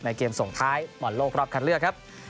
เกมส่งท้ายบอลโลกรอบคันเลือกครับ